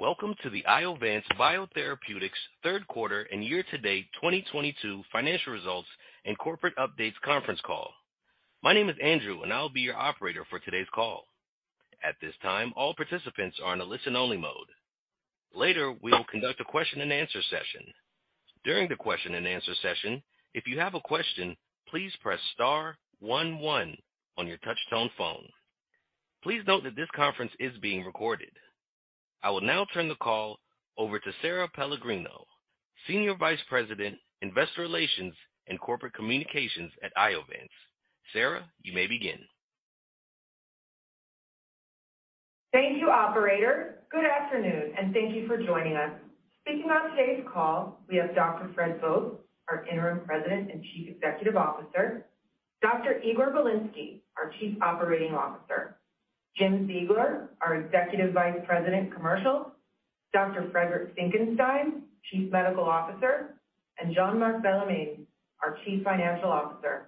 Welcome to the Iovance Biotherapeutics third quarter and year-to-date 2022 financial results and corporate updates conference call. My name is Andrew, and I'll be your operator for today's call. At this time, all participants are in a listen-only mode. Later, we will conduct a question-and-answer session. During the question-and-answer session, if you have a question, please press star one one on your touchtone phone. Please note that this conference is being recorded. I will now turn the call over to Sara Pellegrino, Senior Vice President, Investor Relations and Corporate Communications at Iovance. Sara, you may begin. Thank you, operator. Good afternoon, and thank you for joining us. Speaking on today's call, we have Dr. Fred Vogt, our Interim President and Chief Executive Officer, Dr. Igor Bilinsky, our Chief Operating Officer, Jim Ziegler, our Executive Vice President, Commercial, Dr. Friedrich Graf Finckenstein, Chief Medical Officer, and Jean-Marc Bellemin, our Chief Financial Officer.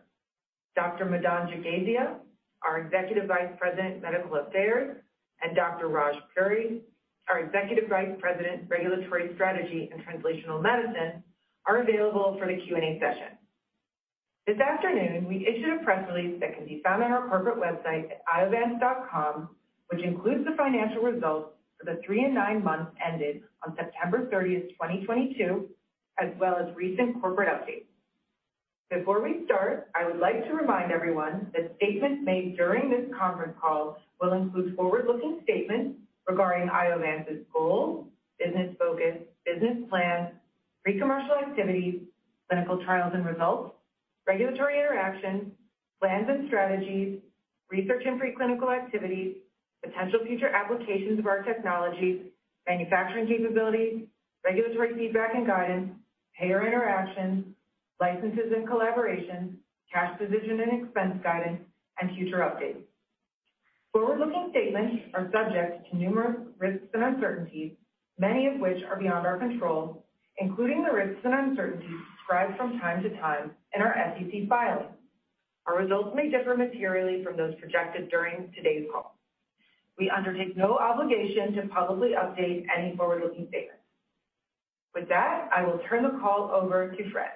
Dr. Madan Jagasia, our Executive Vice President, Medical Affairs, and Dr. Raj Puri, our Executive Vice President, Regulatory Strategy and Translational Medicine, are available for the Q&A session. This afternoon, we issued a press release that can be found on our corporate website at iovance.com, which includes the financial results for the three and nine months ended on September 30, 2022, as well as recent corporate updates. Before we start, I would like to remind everyone that statements made during this conference call will include forward-looking statements regarding Iovance's goals, business focus, business plans, pre-commercial activities, clinical trials and results, regulatory interaction, plans and strategies, research and pre-clinical activities, potential future applications of our technologies, manufacturing capabilities, regulatory feedback and guidance, payer interactions, licenses and collaboration, cash position and expense guidance, and future updates. Forward-looking statements are subject to numerous risks and uncertainties, many of which are beyond our control, including the risks and uncertainties described from time to time in our SEC filings. Our results may differ materially from those projected during today's call. We undertake no obligation to publicly update any forward-looking statements. With that, I will turn the call over to Fred.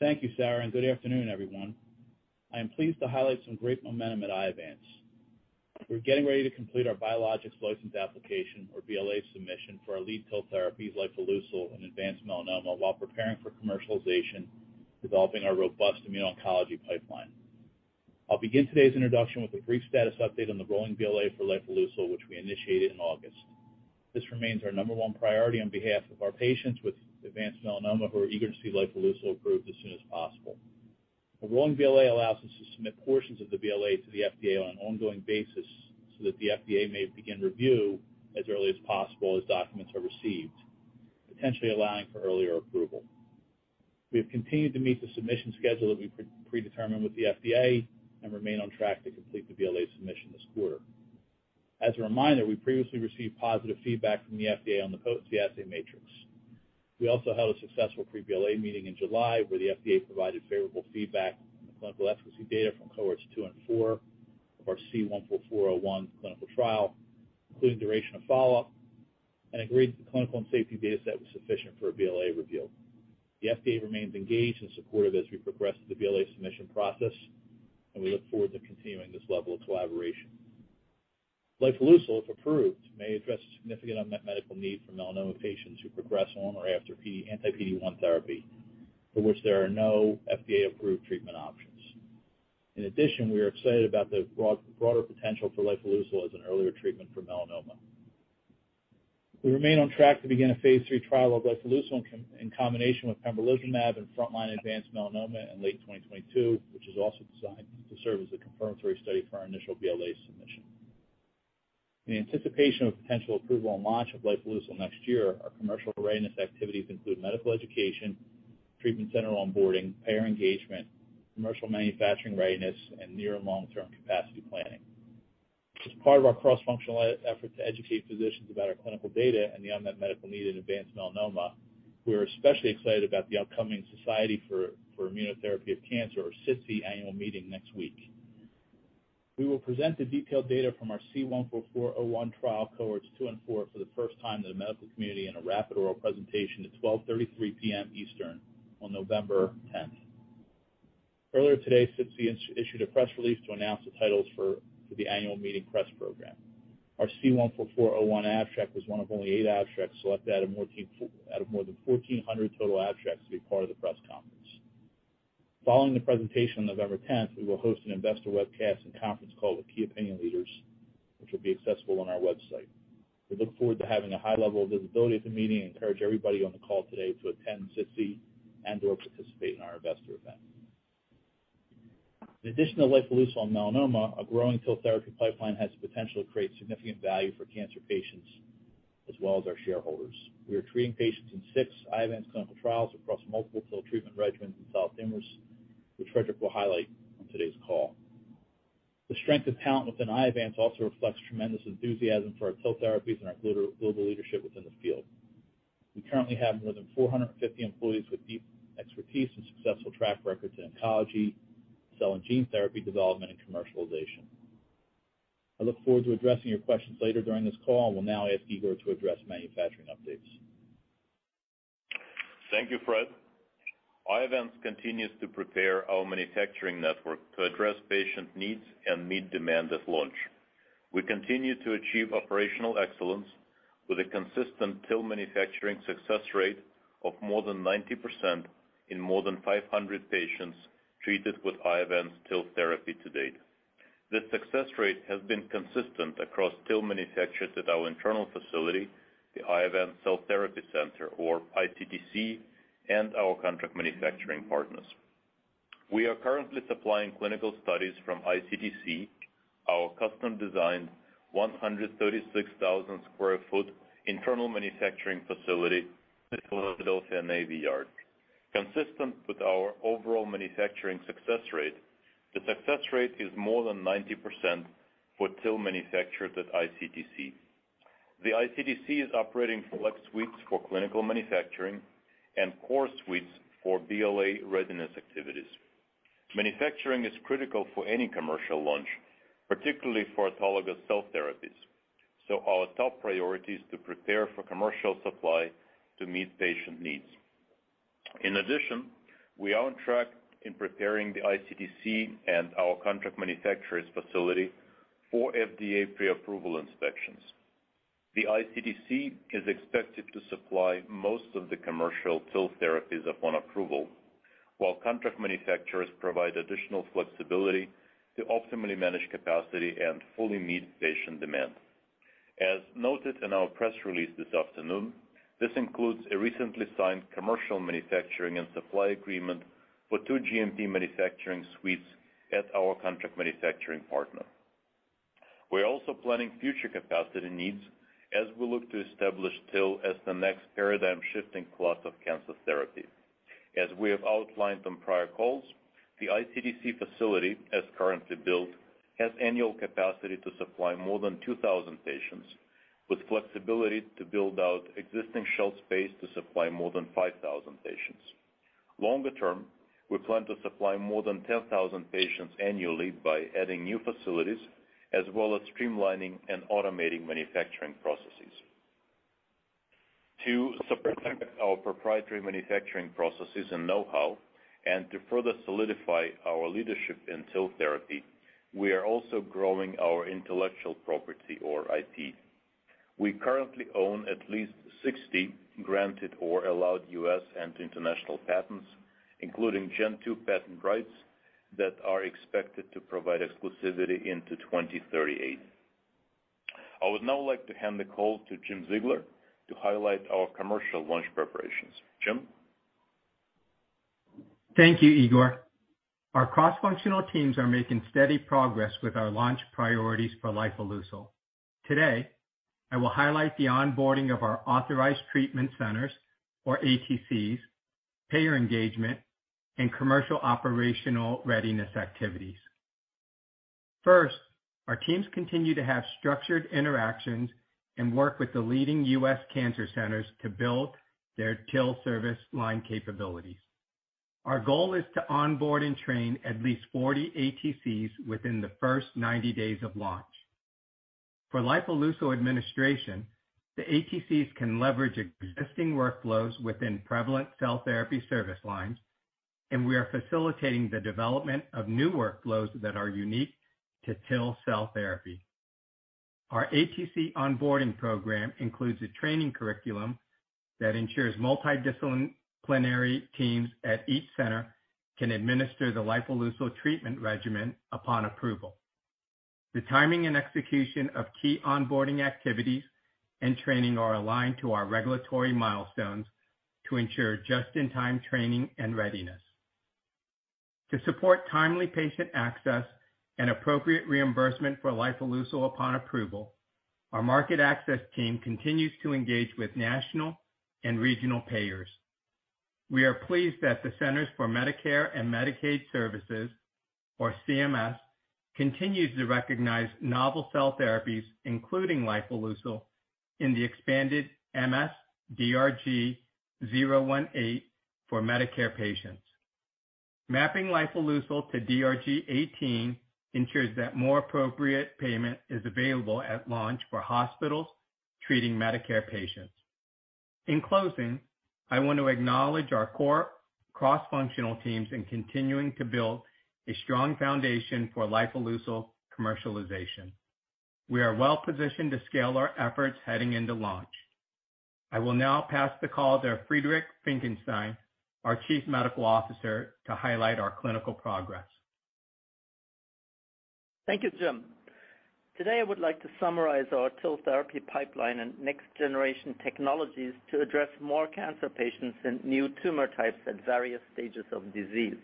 Thank you, Sarah, and good afternoon, everyone. I am pleased to highlight some great momentum at Iovance. We're getting ready to complete our Biologics License Application, or BLA submission for our lead TIL therapies like lifileucel in advanced melanoma while preparing for commercialization, developing our robust immuno-oncology pipeline. I'll begin today's introduction with a brief status update on the rolling BLA for lifileucel, which we initiated in August. This remains our number one priority on behalf of our patients with advanced melanoma who are eager to see lifileucel approved as soon as possible. A rolling BLA allows us to submit portions of the BLA to the FDA on an ongoing basis so that the FDA may begin review as early as possible as documents are received, potentially allowing for earlier approval. We have continued to meet the submission schedule that we pre-determined with the FDA and remain on track to complete the BLA submission this quarter. As a reminder, we previously received positive feedback from the FDA on the potency assay matrix. We also held a successful pre-BLA meeting in July where the FDA provided favorable feedback on the clinical efficacy data from cohorts two and four of our C-144-01 clinical trial, including duration of follow-up, and agreed that the clinical and safety data set was sufficient for a BLA review. The FDA remains engaged and supportive as we progress through the BLA submission process, and we look forward to continuing this level of collaboration. Lifileucel, if approved, may address a significant unmet medical need for melanoma patients who progress on or after anti-PD-1 therapy, for which there are no FDA-approved treatment options. In addition, we are excited about the broader potential for lifileucel as an earlier treatment for melanoma. We remain on track to begin a phase III trial of lifileucel in combination with pembrolizumab in frontline advanced melanoma in late 2022, which is also designed to serve as a confirmatory study for our initial BLA submission. In anticipation of potential approval and launch of lifileucel next year, our commercial readiness activities include medical education, treatment center onboarding, payer engagement, commercial manufacturing readiness, and near and long-term capacity planning. As part of our cross-functional effort to educate physicians about our clinical data and the unmet medical need in advanced melanoma, we are especially excited about the upcoming Society for Immunotherapy of Cancer, or SITC, Annual Meeting next week. We will present the detailed data from our C-144-01 trial cohorts 2 and 4 for the first time to the medical community in a rapid oral presentation at 12:33 P.M. Eastern on November tenth. Earlier today, SITC issued a press release to announce the titles for the annual meeting press program. Our C-144-01 abstract was one of only 8 abstracts selected out of more than 1,400 total abstracts to be part of the press conference. Following the presentation on November tenth, we will host an investor webcast and conference call with key opinion leaders, which will be accessible on our website. We look forward to having a high level of visibility at the meeting and encourage everybody on the call today to attend SITC and/or participate in our investor event. In addition to lifileucel and melanoma, our growing TIL therapy pipeline has the potential to create significant value for cancer patients as well as our shareholders. We are treating patients in six Iovance clinical trials across multiple TIL treatment regimens in solid tumors, which Frederick will highlight on today's call. The strength and talent within Iovance also reflects tremendous enthusiasm for our TIL therapies and our global leadership within the field. We currently have more than 450 employees with deep expertise and successful track records in oncology, cell and gene therapy development, and commercialization. I look forward to addressing your questions later during this call. I will now ask Igor to address manufacturing updates. Thank you, Fred. Iovance continues to prepare our manufacturing network to address patient needs and meet demand at launch. We continue to achieve operational excellence with a consistent TIL manufacturing success rate of more than 90% in more than 500 patients treated with Iovance TIL therapy to date. This success rate has been consistent across TIL manufacturers at our internal facility, the Iovance Cell Therapy Center, or iCTC, and our contract manufacturing partners. We are currently supplying clinical studies from iCTC, our custom-designed 136,000 sq ft internal manufacturing facility at the Philadelphia Navy Yard. Consistent with our overall manufacturing success rate, the success rate is more than 90% for TIL manufacturers at iCTC. The iCTC is operating flex suites for clinical manufacturing and core suites for BLA readiness activities. Manufacturing is critical for any commercial launch, particularly for autologous cell therapies. Our top priority is to prepare for commercial supply to meet patient needs. In addition, we are on track in preparing the iCTC and our contract manufacturer's facility for FDA pre-approval inspections. The iCTC is expected to supply most of the commercial TIL therapies upon approval, while contract manufacturers provide additional flexibility to optimally manage capacity and fully meet patient demand. As noted in our press release this afternoon, this includes a recently signed commercial manufacturing and supply agreement for two GMP manufacturing suites at our contract manufacturing partner. We are also planning future capacity needs as we look to establish TIL as the next paradigm-shifting class of cancer therapy. As we have outlined on prior calls, the iCTC facility, as currently built, has annual capacity to supply more than 2,000 patients, with flexibility to build out existing shelf space to supply more than 5,000 patients. Longer term, we plan to supply more than 10,000 patients annually by adding new facilities as well as streamlining and automating manufacturing processes. To support our proprietary manufacturing processes and know-how and to further solidify our leadership in TIL therapy, we are also growing our intellectual property or IP. We currently own at least 60 granted or allowed U.S. and international patents, including Gen 2 patent rights that are expected to provide exclusivity into 2038. I would now like to hand the call to James Ziegler to highlight our commercial launch preparations. Jim? Thank you, Igor. Our cross-functional teams are making steady progress with our launch priorities for lifileucel. Today, I will highlight the onboarding of our authorized treatment centers, or ATCs, payer engagement, and commercial operational readiness activities. First, our teams continue to have structured interactions and work with the leading U.S. cancer centers to build their TIL service line capabilities. Our goal is to onboard and train at least 40 ATCs within the first 90 days of launch. For lifileucel administration, the ATCs can leverage existing workflows within prevalent cell therapy service lines, and we are facilitating the development of new workflows that are unique to TIL cell therapy. Our ATC onboarding program includes a training curriculum that ensures multidisciplinary teams at each center can administer the lifileucel treatment regimen upon approval. The timing and execution of key onboarding activities and training are aligned to our regulatory milestones to ensure just-in-time training and readiness. To support timely patient access and appropriate reimbursement for lifileucel upon approval, our market access team continues to engage with national and regional payers. We are pleased that the Centers for Medicare & Medicaid Services, or CMS, continues to recognize novel cell therapies, including lifileucel, in the expanded MS-DRG 018 for Medicare patients. Mapping lifileucel to DRG 18 ensures that more appropriate payment is available at launch for hospitals treating Medicare patients. In closing, I want to acknowledge our core cross-functional teams in continuing to build a strong foundation for lifileucel commercialization. We are well-positioned to scale our efforts heading into launch. I will now pass the call to Friedrich Graf Finckenstein, our Chief Medical Officer, to highlight our clinical progress. Thank you, Jim. Today, I would like to summarize our TIL therapy pipeline and next-generation technologies to address more cancer patients and new tumor types at various stages of disease.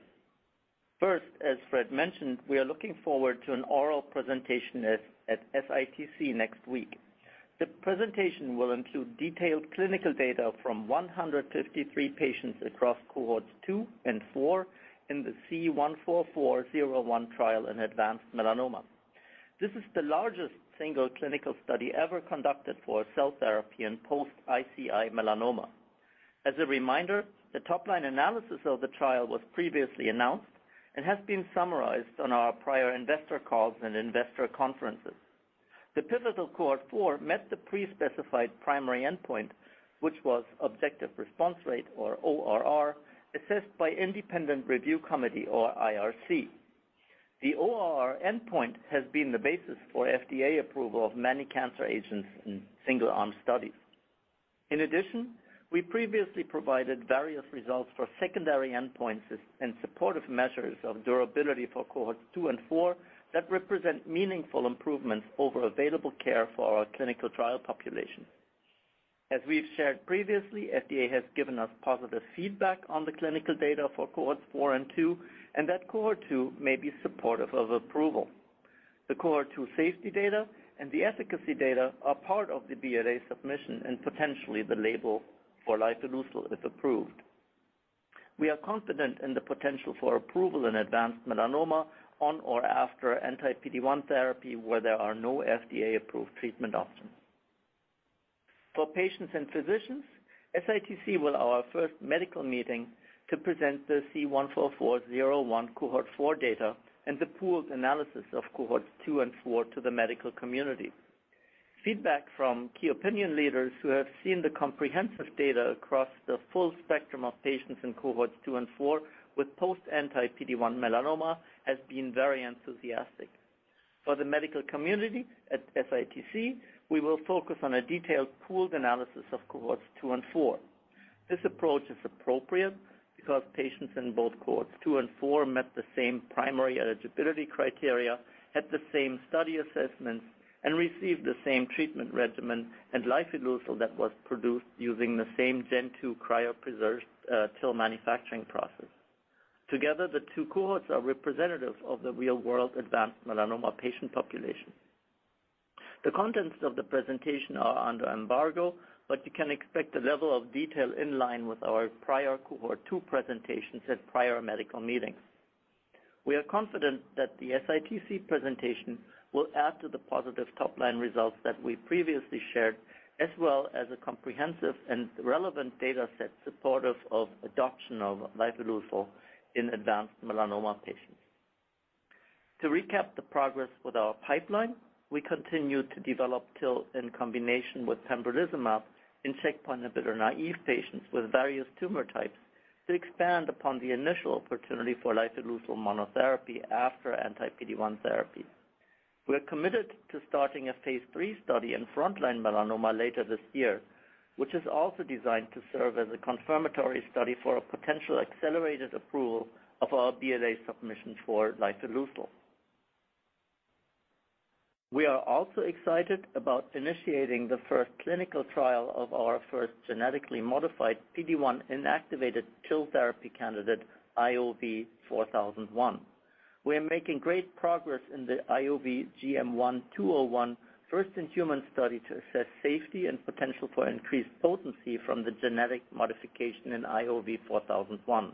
First, as Fred mentioned, we are looking forward to an oral presentation at SITC next week. The presentation will include detailed clinical data from 153 patients across cohorts 2 and 4 in the C-144-01 trial in advanced melanoma. This is the largest single clinical study ever conducted for a cell therapy in post-ICI melanoma. As a reminder, the top line analysis of the trial was previously announced and has been summarized on our prior investor calls and investor conferences. The pivotal cohort 4 met the pre-specified primary endpoint, which was objective response rate or ORR, assessed by independent review committee or IRC. The ORR endpoint has been the basis for FDA approval of many cancer agents in single arm studies. In addition, we previously provided various results for secondary endpoints and supportive measures of durability for cohorts two and four that represent meaningful improvements over available care for our clinical trial population. As we've shared previously, FDA has given us positive feedback on the clinical data for cohorts four and two, and that cohort two may be supportive of approval. The cohort two safety data and the efficacy data are part of the BLA submission and potentially the label for lifileucel, if approved. We are confident in the potential for approval in advanced melanoma on or after anti-PD-1 therapy, where there are no FDA-approved treatment options. For patients and physicians, SITC was our first medical meeting to present the C-144-01 cohort 4 data and the pooled analysis of cohorts 2 and 4 to the medical community. Feedback from key opinion leaders who have seen the comprehensive data across the full spectrum of patients in cohorts 2 and 4 with post anti-PD-1 melanoma has been very enthusiastic. For the medical community at SITC, we will focus on a detailed pooled analysis of cohorts 2 and 4. This approach is appropriate because patients in both cohorts 2 and 4 met the same primary eligibility criteria, had the same study assessments, and received the same treatment regimen and lifileucel that was produced using the same Gen 2 cryopreserved TIL manufacturing process. Together, the two cohorts are representative of the real world advanced melanoma patient population. The contents of the presentation are under embargo, but you can expect a level of detail in line with our prior cohort 2 presentations at prior medical meetings. We are confident that the SITC presentation will add to the positive top-line results that we previously shared, as well as a comprehensive and relevant data set supportive of adoption of lifileucel in advanced melanoma patients. To recap the progress with our pipeline, we continue to develop TIL in combination with pembrolizumab in checkpoint inhibitor-naive patients with various tumor types to expand upon the initial opportunity for lifileucel monotherapy after anti-PD-1 therapy. We're committed to starting a phase III study in frontline melanoma later this year, which is also designed to serve as a confirmatory study for a potential accelerated approval of our BLA submission for lifileucel. We are also excited about initiating the first clinical trial of our first genetically modified PD-1 inactivated TIL therapy candidate, IOV-4001. We are making great progress in the IOV-GM1-201 first-in-human study to assess safety and potential for increased potency from the genetic modification in IOV-4001.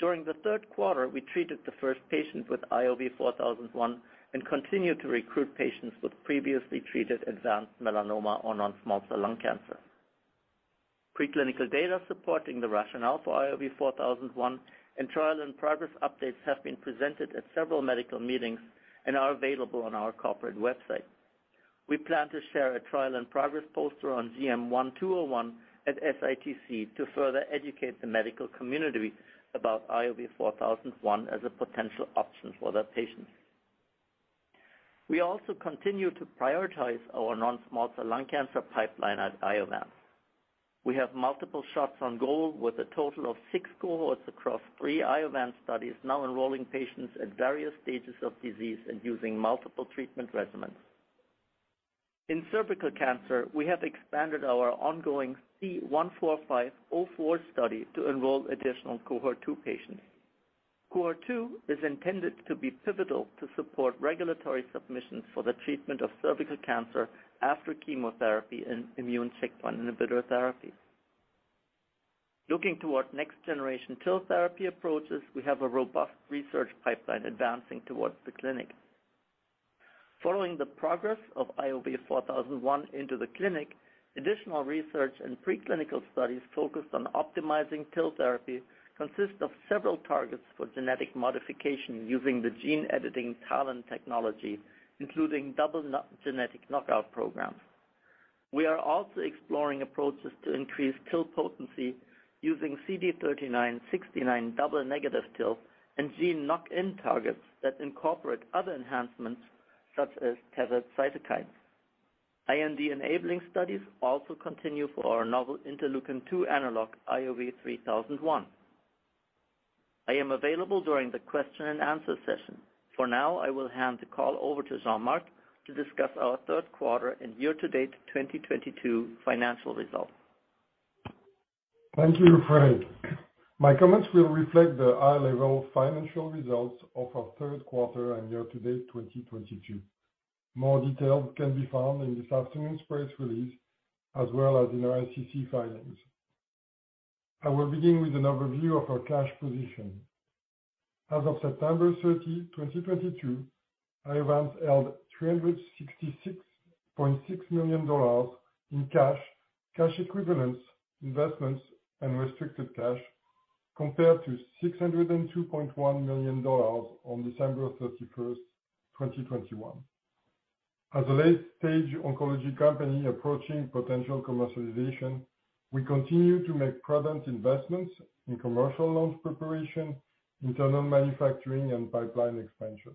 During the third quarter, we treated the first patient with IOV-4001 and continue to recruit patients with previously treated advanced melanoma or non-small cell lung cancer. Preclinical data supporting the rationale for IOV-4001 and trial and progress updates have been presented at several medical meetings and are available on our corporate website. We plan to share a trial and progress poster on GM1-201 at SITC to further educate the medical community about IOV-4001 as a potential option for their patients. We also continue to prioritize our non-small cell lung cancer pipeline at Iovance. We have multiple shots on goal with a total of six cohorts across three Iovance studies now enrolling patients at various stages of disease and using multiple treatment regimens. In cervical cancer, we have expanded our ongoing C-145-04 study to enroll additional cohort two patients. Cohort two is intended to be pivotal to support regulatory submissions for the treatment of cervical cancer after chemotherapy and immune checkpoint inhibitor therapy. Looking toward next generation TIL therapy approaches, we have a robust research pipeline advancing towards the clinic. Following the progress of IOV-4001 into the clinic, additional research and preclinical studies focused on optimizing TIL therapy consist of several targets for genetic modification using the gene editing TALEN technology, including double genetic knockout programs. We are also exploring approaches to increase TIL potency using CD39, CD69 double negative TIL and gene knock-in targets that incorporate other enhancements such as tethered cytokines. IND enabling studies also continue for our novel Interleukin-2 analog, IOV-3001. I am available during the question and answer session. For now, I will hand the call over to Jean-Marc to discuss our third quarter and year-to-date 2022 financial results. Thank you, Fred. My comments will reflect the high-level financial results of our third quarter and year-to-date 2022. More details can be found in this afternoon's press release, as well as in our SEC filings. I will begin with an overview of our cash position. As of September 30, 2022, Iovance held $366.6 million in cash equivalents, investments, and restricted cash, compared to $602.1 million on December 31, 2021. As a late-stage oncology company approaching potential commercialization, we continue to make prudent investments in commercial launch preparation, internal manufacturing, and pipeline expansion.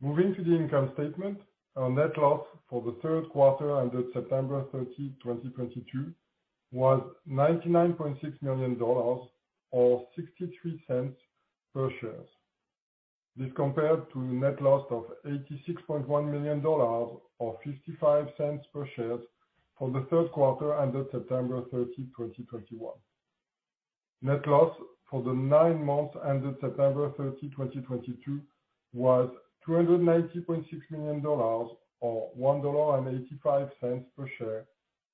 Moving to the income statement, our net loss for the third quarter ended September 30, 2022, was $99.6 million or $0.63 per share. This compared to the net loss of $86.1 million or $0.55 per share for the third quarter ended September 30, 2021. Net loss for the nine months ended September 30, 2022 was $290.6 million or $1.85 per share,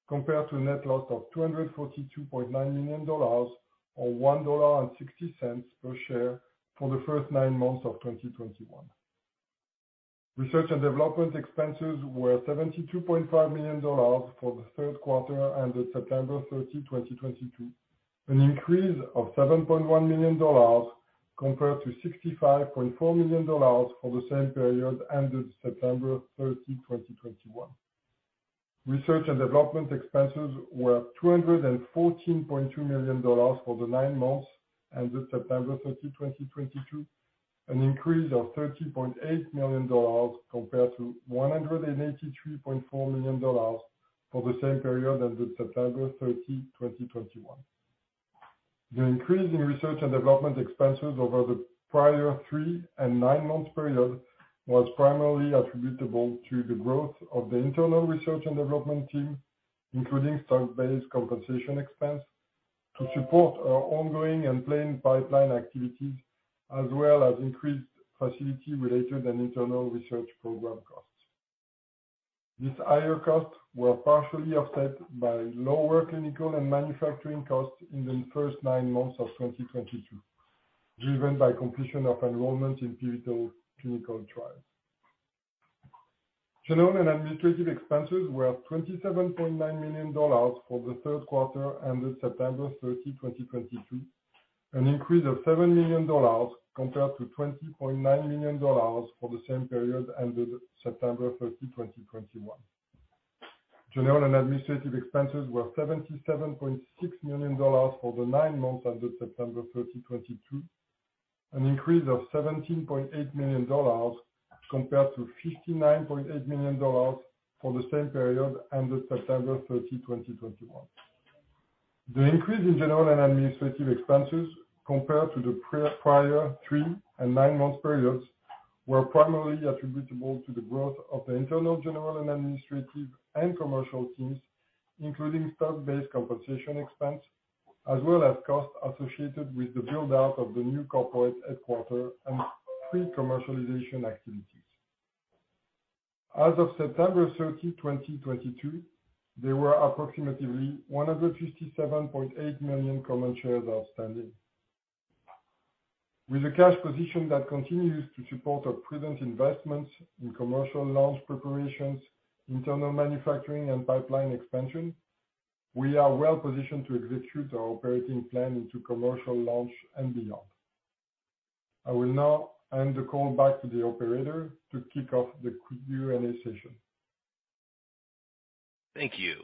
compared to a net loss of $242.9 million or $1.60 per share for the first nine months of 2021. Research and development expenses were $72.5 million for the third quarter ended September 30, 2022, an increase of $7.1 million compared to $65.4 million for the same period ended September 30, 2021. Research and development expenses were $214.2 million for the nine months ended September 30, 2022, an increase of $30.8 million compared to $183.4 million for the same period ended September 30, 2021. The increase in research and development expenses over the prior three- and nine-month periods was primarily attributable to the growth of the internal research and development team, including stock-based compensation expense to support our ongoing and planned pipeline activities, as well as increased facility-related and internal research program costs. These higher costs were partially offset by lower clinical and manufacturing costs in the first nine months of 2022, driven by completion of enrollment in pivotal clinical trials. General and administrative expenses were $27.9 million for the third quarter ended September 30, 2022, an increase of $7 million compared to $20.9 million for the same period ended September 30, 2021. General and administrative expenses were $77.6 million for the nine months ended September 30, 2022, an increase of $17.8 million compared to $59.8 million for the same period ended September 30, 2021. The increase in general and administrative expenses compared to the prior three and nine months periods were primarily attributable to the growth of the internal general and administrative and commercial teams, including stock-based compensation expense, as well as costs associated with the build-out of the new corporate headquarters and pre-commercialization activities. As of September 30, 2022, there were approximately 157.8 million common shares outstanding. With a cash position that continues to support our prudent investments in commercial launch preparations, internal manufacturing, and pipeline expansion, we are well positioned to execute our operating plan into commercial launch and beyond. I will now hand the call back to the operator to kick off the Q&A session. Thank you.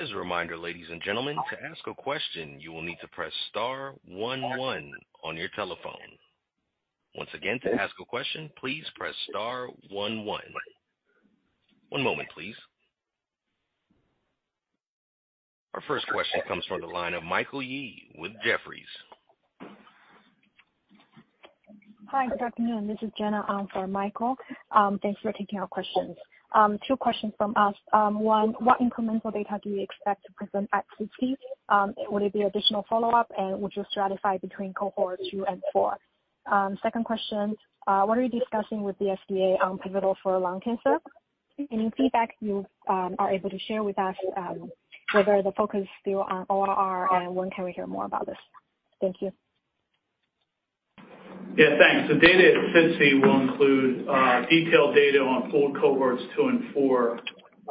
As a reminder, ladies and gentlemen, to ask a question, you will need to press star one one on your telephone. Once again, to ask a question, please press star one one. One moment, please. Our first question comes from the line of Michael Yee with Jefferies. Hi, good afternoon. This is Gena for Michael. Thanks for taking our questions. two questions from us. One, what incremental data do you expect to present at SITC? Would it be additional follow-up, and would you stratify between cohort 2 and 4? Second question, what are you discussing with the FDA on pivotal for lung cancer? Any feedback you are able to share with us, whether the focus still on ORR and when can we hear more about this? Thank you. Yeah, thanks. The data at SITC will include detailed data on full cohorts 2 and 4.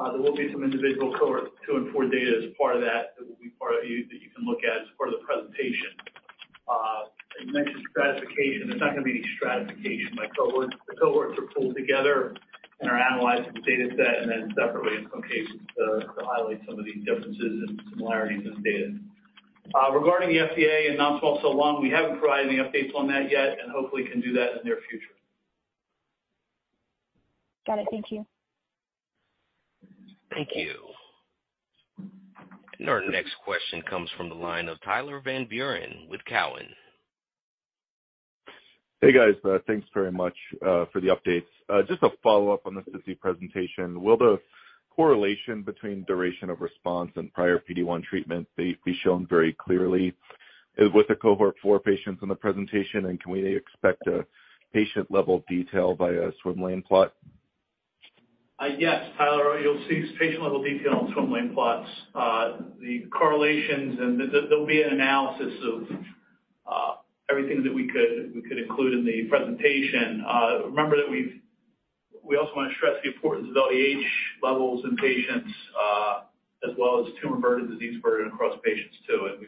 There will be some individual cohort 2 and 4 data as part of that will be part of it that you can look at as part of the presentation. You mentioned stratification. There's not gonna be any stratification by cohorts. The cohorts are pooled together and are analyzed as a data set and then separately in some cases to highlight some of the differences and similarities in the data. Regarding the FDA and non-small cell lung, we haven't provided any updates on that yet, and hopefully can do that in the near future. Got it. Thank you. Thank you. Our next question comes from the line of Tyler Van Buren with Cowen. Hey, guys. Thanks very much for the updates. Just a follow-up on the 50 presentation. Will the correlation between duration of response and prior PD-1 treatment be shown very clearly with the cohort 4 patients in the presentation? Can we expect a patient level of detail by a swim lane plot? Yes, Tyler, you'll see patient-level detail on swim lane plots. The correlations and there'll be an analysis of everything that we could include in the presentation. Remember that we also wanna stress the importance of LDH levels in patients, as well as tumor burden, disease burden across patients too. We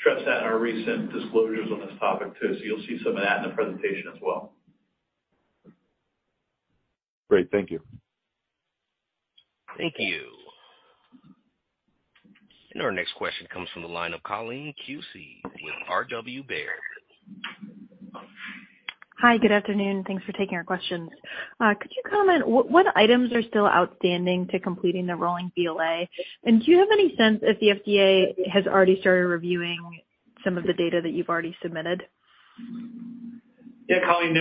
stressed that in our recent disclosures on this topic too. You'll see some of that in the presentation as well. Great. Thank you. Thank you. Our next question comes from the line of Colleen Kusy with R.W. Baird. Hi, good afternoon. Thanks for taking our questions. Could you comment what items are still outstanding to completing the rolling BLA? Do you have any sense if the FDA has already started reviewing some of the data that you've already submitted? Yeah, Colleen,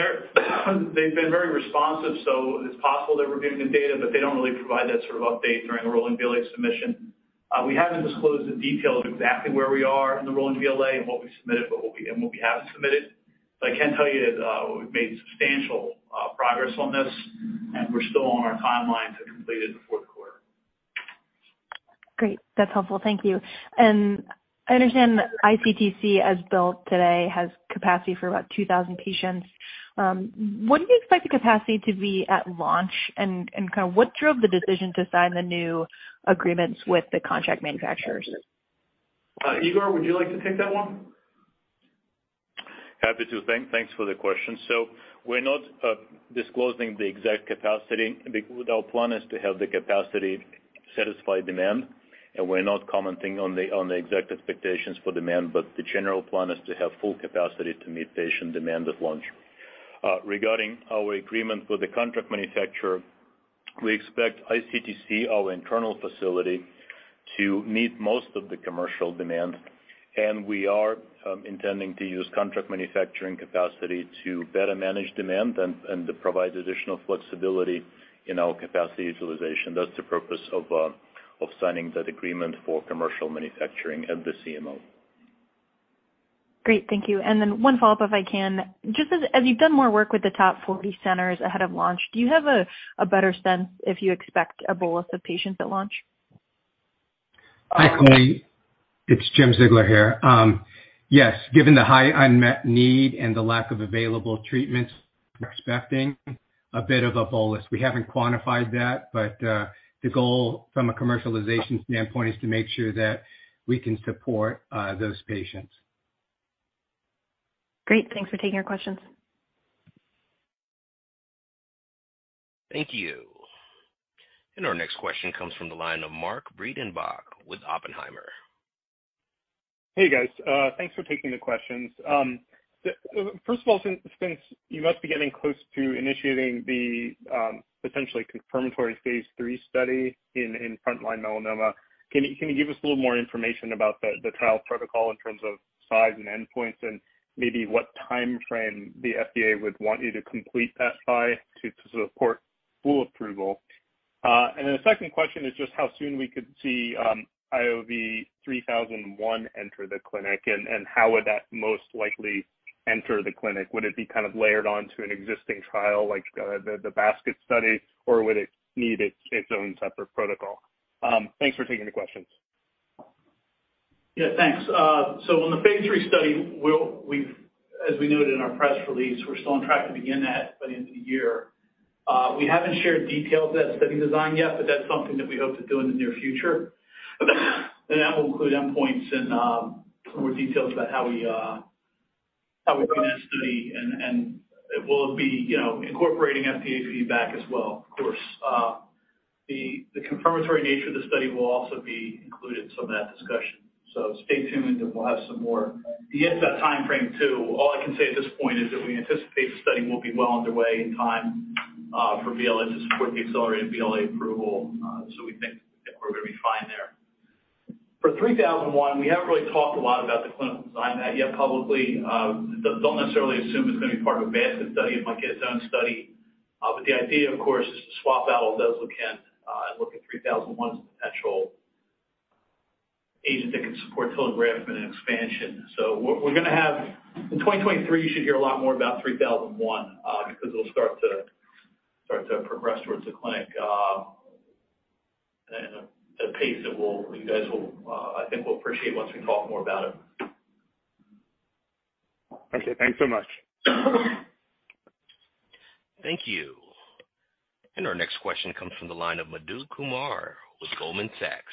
they've been very responsive, so it's possible they're reviewing the data, but they don't really provide that sort of update during the rolling BLA submission. We haven't disclosed the detail of exactly where we are in the rolling BLA and what we haven't submitted. I can tell you that, we've made substantial progress on this, and we're still on our timelines to complete it in the fourth quarter. Great. That's helpful. Thank you. I understand iCTC, as built today, has capacity for about 2,000 patients. What do you expect the capacity to be at launch? Kinda what drove the decision to sign the new agreements with the contract manufacturers? Igor, would you like to take that one? Happy to. Thanks for the question. We're not disclosing the exact capacity because our plan is to have the capacity satisfy demand, and we're not commenting on the exact expectations for demand, but the general plan is to have full capacity to meet patient demand at launch. Regarding our agreement with the contract manufacturer, we expect ICTC, our internal facility, to meet most of the commercial demand, and we are intending to use contract manufacturing capacity to better manage demand and to provide additional flexibility in our capacity utilization. That's the purpose of signing that agreement for commercial manufacturing at the CMO. Great. Thank you. One follow-up, if I can. Just as you've done more work with the top 40 centers ahead of launch, do you have a better sense if you expect a bolus of patients at launch? Hi, Colleen. It's James Ziegler here. Yes, given the high unmet need and the lack of available treatments, we're expecting a bit of a bolus. We haven't quantified that, but the goal from a commercialization standpoint is to make sure that we can support those patients. Great. Thanks for taking our questions. Thank you. Our next question comes from the line of Mark Breidenbach with Oppenheimer. Hey, guys. Thanks for taking the questions. First of all, since you must be getting close to initiating the potentially confirmatory phase III study in frontline melanoma, can you give us a little more information about the trial protocol in terms of size and endpoints and maybe what timeframe the FDA would want you to complete that by to support full approval? The second question is just how soon we could see IOV-3001 enter the clinic? And how would that most likely enter the clinic? Would it be kind of layered onto an existing trial like the basket study, or would it need its own separate protocol? Thanks for taking the questions. Yeah, thanks. On the phase III study, as we noted in our press release, we're still on track to begin that by the end of the year. We haven't shared details of that study design yet, but that's something that we hope to do in the near future. That will include endpoints and more details about how we run that study and it will be, you know, incorporating FDA feedback as well, of course. The confirmatory nature of the study will also be included some of that discussion. Stay tuned, and we'll have some more. The end of that timeframe too, all I can say at this point is that we anticipate the study will be well underway in time for BLA to support the accelerated BLA approval, so we think that we're gonna be fine there. For IOV-3001, we haven't really talked a lot about the clinical design of that yet publicly. Don't necessarily assume it's gonna be part of a basket study. It might get its own study. But the idea, of course, is to swap out Proleukin and look at IOV-3001's potential agent that can support TIL engraftment and expansion. We're gonna have... In 2023, you should hear a lot more about 3001, because it'll start to progress towards the clinic, and at a pace that you guys will, I think, appreciate once we talk more about it. Okay, thanks so much. Thank you. Our next question comes from the line of Madhu Kumar with Goldman Sachs.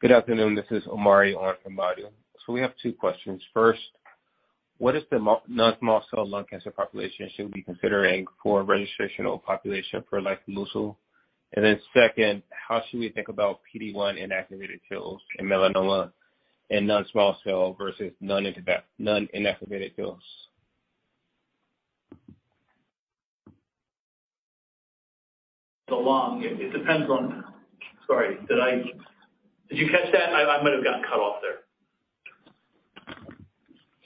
Good afternoon. This is Omari on Madhu. We have two questions. First, what is the non-small cell lung cancer population we should be considering for registrational population for lifileucel? And then second, how should we think about PD-1 inactivated TILs in melanoma and non-small cell versus non-inactivated TILs? Sorry, did you catch that? I might have gotten cut off there.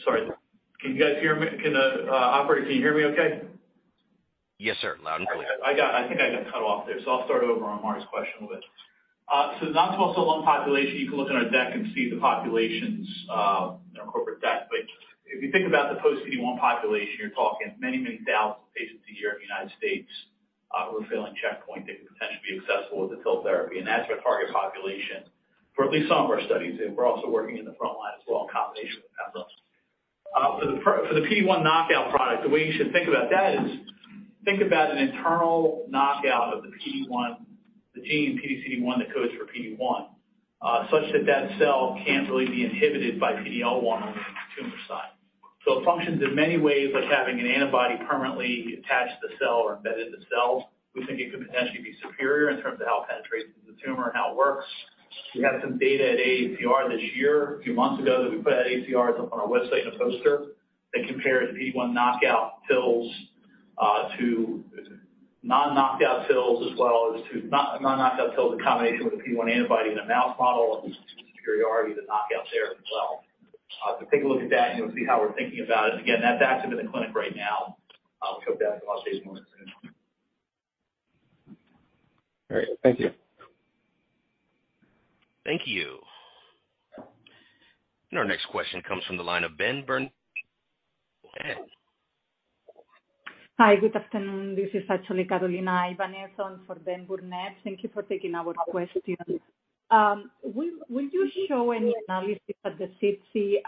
Sorry. Can you guys hear me? Can the operator hear me okay? Yes, sir. Loud and clear. I got, I think I got cut off there, so I'll start over on Omari's question a bit. Non-small cell lung population, you can look on our deck and see the populations in our corporate deck. If you think about the post PD-1 population, you're talking many, many thousands of patients a year in the United States, who are failing checkpoint that could potentially be accessible with the TIL therapy, and that's our target population for at least some of our studies. We're also working in the front line as well in combination with pembro. For the PD-1 knockout product, the way you should think about that is think about an internal knockout of the PD-1, the gene PDCD1 that codes for PD-1, such that that cell can't really be inhibited by PD-L1 on the tumor side. It functions in many ways like having an antibody permanently attached to the cell or embedded in the cell. We think it could potentially be superior in terms of how it penetrates into the tumor and how it works. We have some data at AACR this year, a few months ago, that we put at AACR. It's up on our website in a poster that compares PD-1 knockout TILs to non-knockout TILs as well as to non-knockout TILs in combination with a PD-1 antibody in a mouse model, and superiority to knockout there as well. Take a look at that and you'll see how we're thinking about it. Again, that's active in the clinic right now. We hope to have more updates on it soon. All right. Thank you. Thank you. Our next question comes from the line of Benjamin Burnett. Go ahead. Hi, good afternoon. This is actually Carolina Ibáñez on for Ben Burnett. Thank you for taking our question. Will you show any analysis at the SITC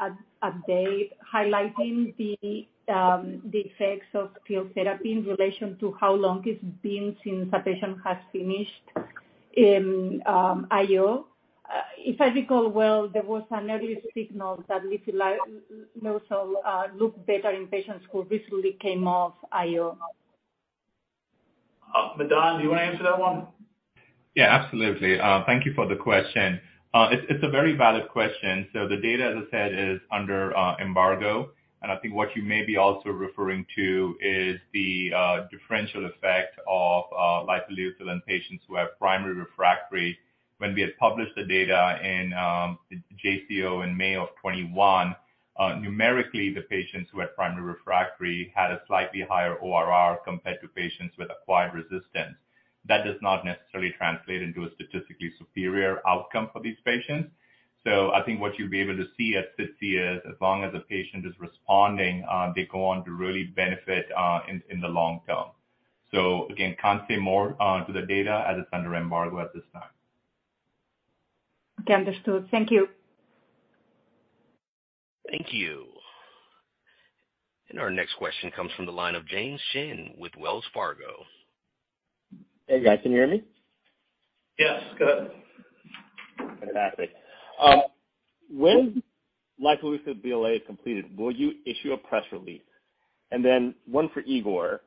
update highlighting the effects of TIL therapy in relation to how long it's been since a patient has finished IO? If I recall well, there was an early signal that lifileucel looked better in patients who recently came off IO. Madan, do you wanna answer that one? Yeah, absolutely. Thank you for the question. It's a very valid question. The data, as I said, is under embargo. I think what you may be also referring to is the differential effect of lifileucel in patients who have primary refractory. When we had published the data in JCO in May of 2021, numerically, the patients who had primary refractory had a slightly higher ORR compared to patients with acquired resistance. That does not necessarily translate into a statistically superior outcome for these patients. I think what you'll be able to see at SITC is as long as a patient is responding, they go on to really benefit in the long term. Again, can't say more to the data as it's under embargo at this time. Okay, understood. Thank you. Thank you. Our next question comes from the line of James Shin with Wells Fargo. Hey, guys. Can you hear me? Yes. Go ahead. Fantastic. When lifileucel BLA is completed, will you issue a press release? Then one for Igor,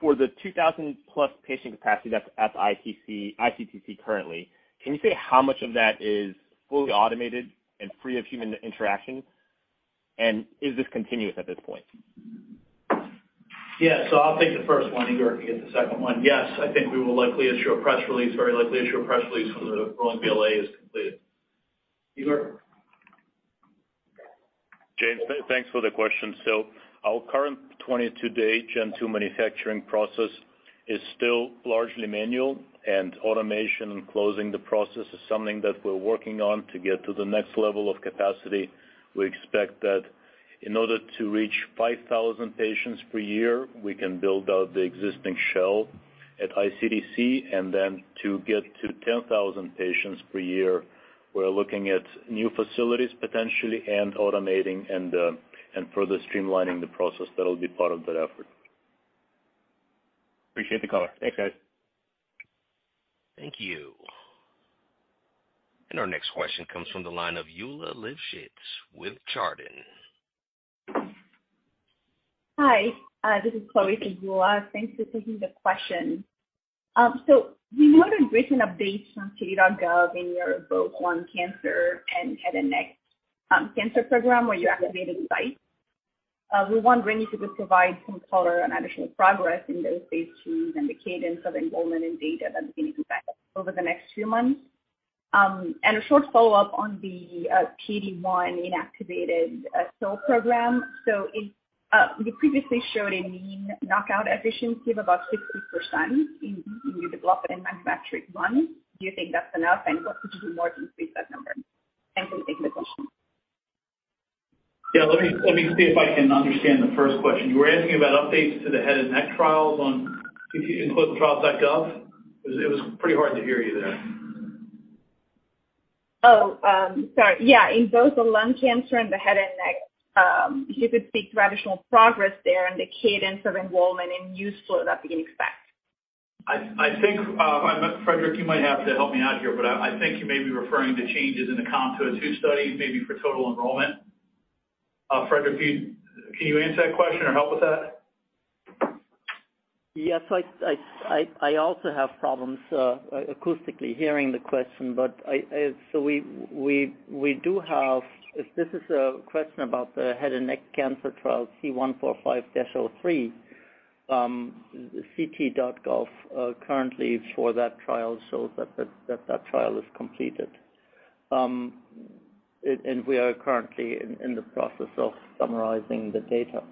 for the 2,000-plus patient capacity that's at iCTC currently, can you say how much of that is fully automated and free of human interaction? Is this continuous at this point? Yeah. I'll take the first one. Igor can get the second one. Yes. I think we will likely issue a press release, very likely issue a press release when the rolling BLA is completed. Igor? James, thanks for the question. Our current 22-day Gen 2 manufacturing process is still largely manual, and automation and closing the process is something that we're working on to get to the next level of capacity. We expect that in order to reach 5,000 patients per year, we can build out the existing shell at iCTC. To get to 10,000 patients per year, we're looking at new facilities potentially and automating and further streamlining the process that'll be part of that effort. Appreciate the color. Thanks, guys. Thank you. Our next question comes from the line of Geulah Livshits with Chardan. Hi. This is Chloe for Geulah. Thanks for taking the question. We know there's recent updates from ClinicalTrials.gov in your both lung cancer and head and neck cancer program where you activated sites. We wonder if you could provide some color on additional progress in those phase IIs and the cadence of enrollment and data that we can expect over the next few months. A short follow-up on the PD-1 inactivated cell program. You previously showed a mean knockout efficiency of about 60% in your development and manufacturing run. Do you think that's enough? What could you do more to increase that number? Thanks for taking the question. Yeah. Let me see if I can understand the first question. You were asking about updates to the head and neck trials on ClinicalTrials.gov? It was pretty hard to hear you there. Yeah. In both the lung cancer and the head and neck, if you could speak to additional progress there and the cadence of enrollment and useful that we can expect. I think, Friedrich, you might have to help me out here, but I think you may be referring to changes in the IOV-COM-202 study, maybe for total enrollment. Friedrich, can you answer that question or help with that? Yes. I also have problems acoustically hearing the question, but we do have. If this is a question about the head and neck cancer trial C-145-03, ct.gov currently for that trial shows that trial is completed. We are currently in the process of summarizing the data.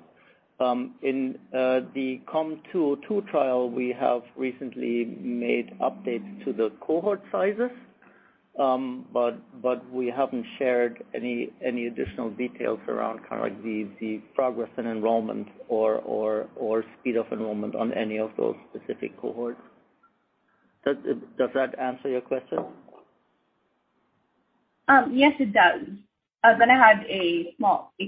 In the IOV-COM-202 trial, we have recently made updates to the cohort sizes. But we haven't shared any additional details around kind of the progress and enrollment or speed of enrollment on any of those specific cohorts. Does that answer your question? Yes, it does. I was gonna have a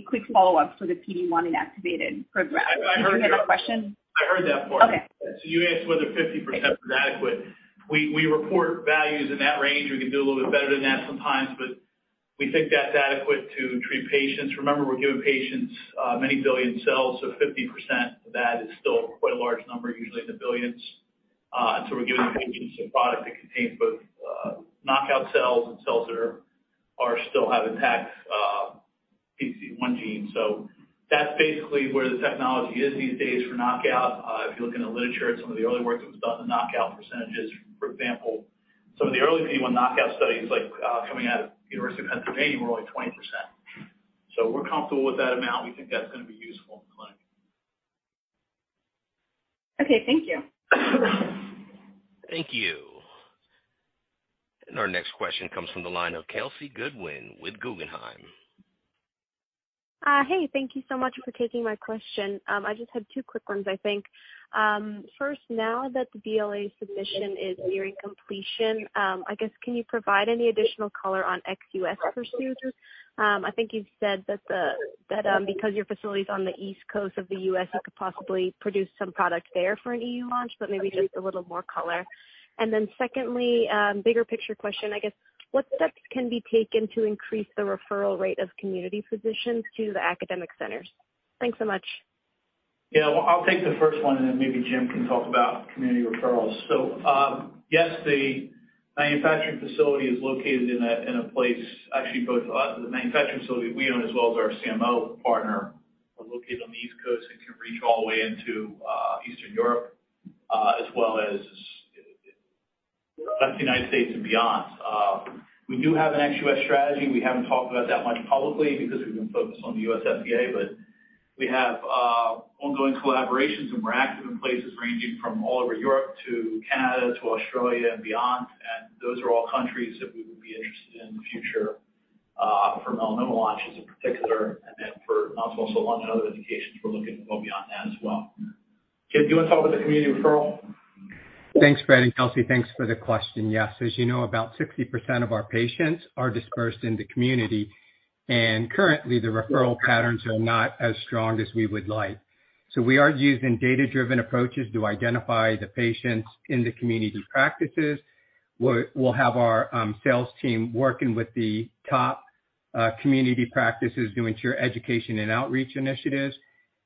quick follow-up for the PD-1 inactivated program. I heard that. Did you hear the question? I heard that part. Okay. You asked whether 50% is adequate. We report values in that range. We can do a little bit better than that sometimes, but we think that's adequate to treat patients. Remember, we're giving patients many billion cells, so 50% of that is still quite a large number, usually in the billions. We're giving patients a product that contains both knockout cells and cells that are still have intact PD-1 genes. That's basically where the technology is these days for knockout. If you look in the literature at some of the early work that was done, the knockout percentages, for example, some of the early PD-1 knockout studies, like coming out of University of Pennsylvania, were only 20%. We're comfortable with that amount. We think that's gonna be useful in the clinic. Okay, thank you. Thank you. Our next question comes from the line of Kelsey Goodwin with Guggenheim. Hey, thank you so much for taking my question. I just had two quick ones, I think. First, now that the BLA submission is nearing completion, I guess can you provide any additional color on ex-U.S. pursuits? I think you've said that because your facility's on the East Coast of the U.S., it could possibly produce some product there for an EU launch, but maybe just a little more color. Secondly, bigger picture question, I guess, what steps can be taken to increase the referral rate of community physicians to the academic centers? Thanks so much. Yeah. I'll take the first one, and then maybe Jim can talk about community referrals. Yes, the manufacturing facility is located in a place. Actually, both the manufacturing facility we own as well as our CMO partner are located on the East Coast and can reach all the way into Eastern Europe as well as the United States and beyond. We do have an ex U.S. strategy. We haven't talked about it that much publicly because we've been focused on the U.S. FDA. We have ongoing collaborations, and we're active in places ranging from all over Europe to Canada to Australia and beyond. Those are all countries that we would be interested in the future for melanoma launches in particular. Then for non-small cell lung and other indications, we're looking to go beyond that as well. Jim, do you wanna talk about the community referral? Thanks, Fred, and Kelsey, thanks for the question. Yes, as you know, about 60% of our patients are dispersed in the community, and currently the referral patterns are not as strong as we would like. We are using data-driven approaches to identify the patients in the community practices. We'll have our sales team working with the top community practices doing peer education and outreach initiatives.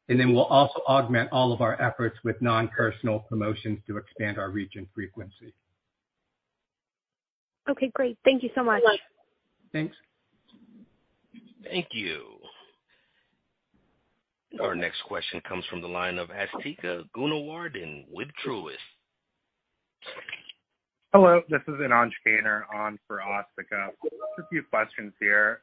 We'll also augment all of our efforts with non-personal promotions to expand our reach and frequency. Okay, great. Thank you so much. Thanks. Thank you. Our next question comes from the line of Asthika Goonewardene with Truist. Hello, this is Anant Gainor on for Asthika. Just a few questions here.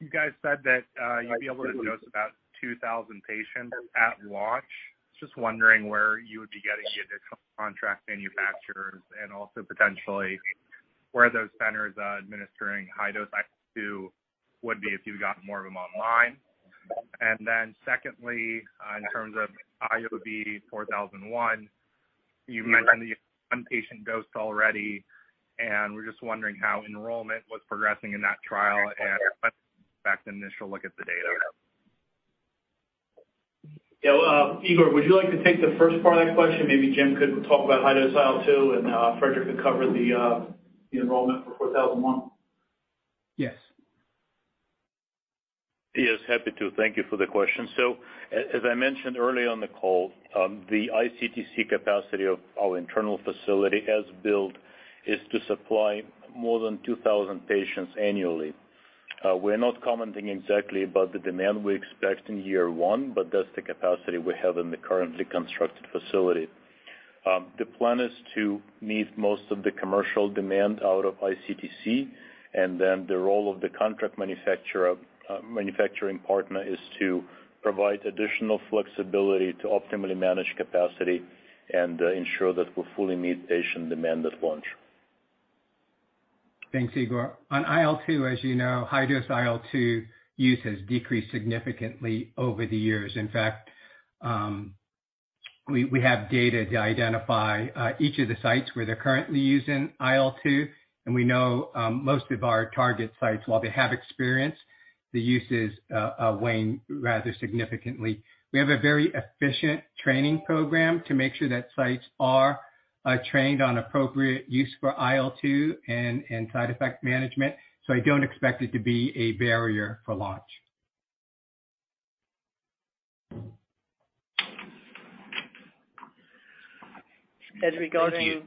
You guys said that you'd be able to dose about 2,000 patients at launch. Just wondering where you would be getting your contract manufacturers and also potentially where those centers administering high-dose IL-2 would be if you've got more of them online. Secondly, in terms of IOV-4001, you mentioned the 1 patient dosed already, and we're just wondering how enrollment was progressing in that trial and what initial look at the data. Yeah, well, Igor, would you like to take the first part of that question? Maybe Jim could talk about high-dose IL-2, and Frederick could cover the enrollment for IOV-4001. Yes. Yes. Happy to. Thank you for the question. As I mentioned early on the call, the ICTC capacity of our internal facility as built is to supply more than 2,000 patients annually. We're not commenting exactly about the demand we expect in year one, but that's the capacity we have in the currently constructed facility. The plan is to meet most of the commercial demand out of ICTC, and then the role of the contract manufacturer, manufacturing partner is to provide additional flexibility to optimally manage capacity and ensure that we'll fully meet patient demand at launch. Thanks, Igor. On IL-2, as you know, high-dose IL-2 use has decreased significantly over the years. In fact, we have data to identify each of the sites where they're currently using IL-2, and we know most of our target sites, while they have experience, the use is waning rather significantly. We have a very efficient training program to make sure that sites are trained on appropriate use for IL-2 and side effect management, so I don't expect it to be a barrier for launch. Thank you.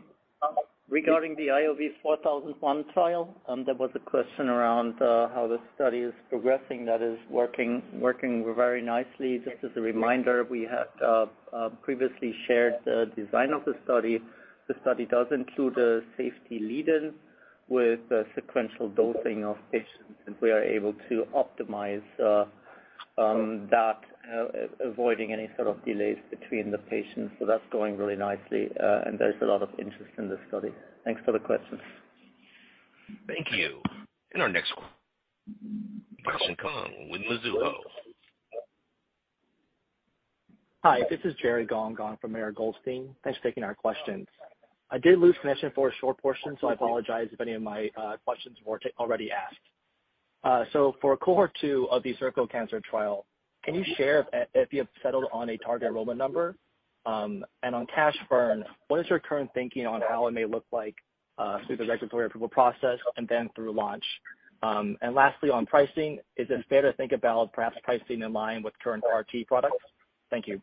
Regarding the IOV-4001 trial, there was a question around how the study is progressing. That is working very nicely. Just as a reminder, we had previously shared the design of the study. The study does include a safety lead-in with a sequential dosing of patients, and we are able to optimize. That avoiding any sort of delays between the patients. That's going really nicely, and there's a lot of interest in this study. Thanks for the question. Thank you. Our next Jerry Gong with Mizuho. Hi, this is Jerry Gong on for Mara Goldstein. Thanks for taking our questions. I did lose connection for a short portion, so I apologize if any of my questions were already asked. For cohort two of the cervical cancer trial, can you share if you have settled on a target enrollment number? On cash burn, what is your current thinking on how it may look like through the regulatory approval process and then through launch? Lastly, on pricing, is it fair to think about perhaps pricing in line with current CAR-T products? Thank you.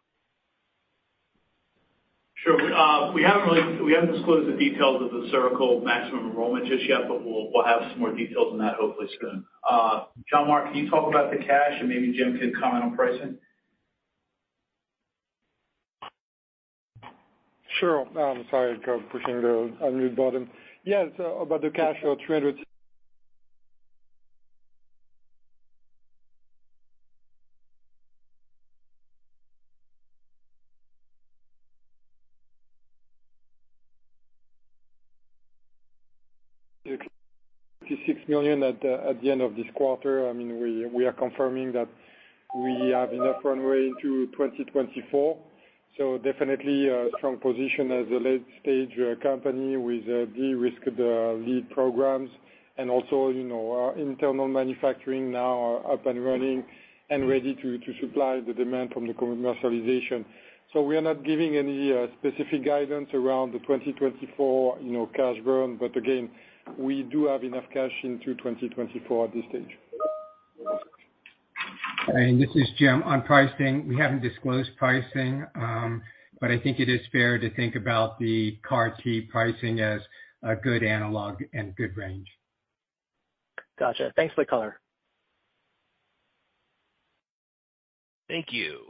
Sure. We haven't disclosed the details of the cervical maximum enrollment just yet, but we'll have some more details on that, hopefully soon. Jean-Marc, can you talk about the cash and maybe Jim can comment on pricing? Sure. I'm sorry for pushing the unmute button. Yes, about the cash, $366 million at the end of this quarter. I mean, we are confirming that we have enough runway into 2024. Definitely a strong position as a late-stage company with de-risked lead programs and also, you know, our internal manufacturing now are up and running and ready to supply the demand from the commercialization. We are not giving any specific guidance around the 2024 cash burn. Again, we do have enough cash into 2024 at this stage. This is Jim. On pricing, we haven't disclosed pricing, but I think it is fair to think about the CAR T pricing as a good analog and good range. Gotcha. Thanks for the color. Thank you.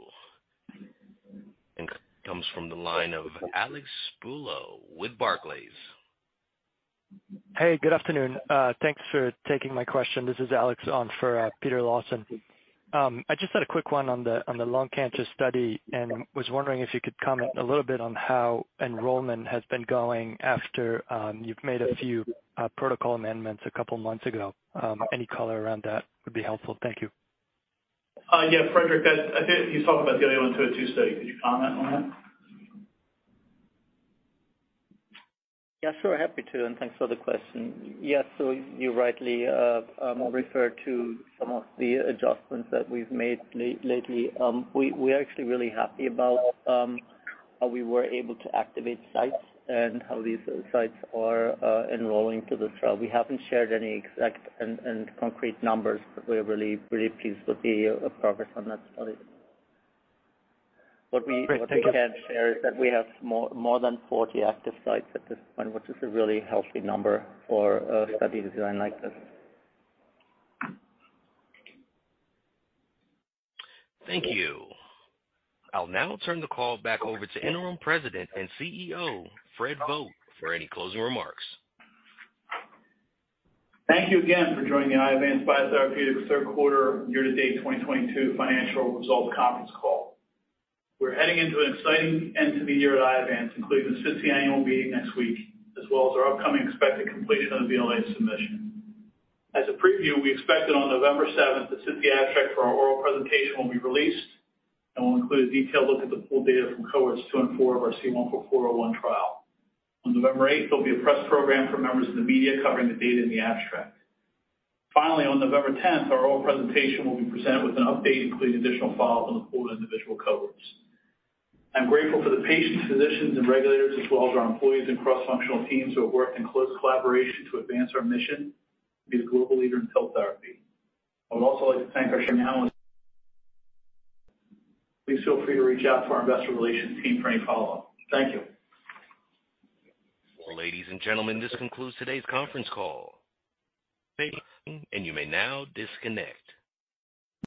Next comes from the line of Alex Spulo with Barclays. Hey, good afternoon. Thanks for taking my question. This is Alex for Peter Lawson. I just had a quick one on the lung cancer study and was wondering if you could comment a little bit on how enrollment has been going after you've made a few protocol amendments a couple months ago. Any color around that would be helpful. Thank you. Yeah, Friedrich, that I think he's talking about the IL-202 study. Could you comment on that? Yeah, sure. Happy to, and thanks for the question. Yes, you rightly referred to some of the adjustments that we've made lately. We are actually really happy about how we were able to activate sites and how these sites are enrolling to the trial. We haven't shared any exact and concrete numbers, but we're really pleased with the progress on that study. Great. Thank you. What we can share is that we have more than 40 active sites at this point, which is a really healthy number for a study design like this. Thank you. I'll now turn the call back over to Interim President and CEO, Frederick Vogt, for any closing remarks. Thank you again for joining the Iovance Biotherapeutics third quarter year-to-date 2022 financial results conference call. We're heading into an exciting end to the year at Iovance, including the SITC annual meeting next week, as well as our upcoming expected completion of the BLA submission. As a preview, we expect that on November 7, the SITC abstract for our oral presentation will be released and will include a detailed look at the full data from cohorts 2 and 4 of our C-144-01 trial. On November 8, there'll be a press program for members of the media covering the data in the abstract. Finally, on November 10, our oral presentation will be presented with an update, including additional follow-ups on the full individual cohorts. I'm grateful for the patients, physicians and regulators, as well as our employees and cross-functional teams who have worked in close collaboration to advance our mission to be the global leader in cell therapy. I would also like to thank our shareholders. Please feel free to reach out to our investor relations team for any follow-up. Thank you. Ladies and gentlemen, this concludes today's conference call. Thank you, and you may now disconnect.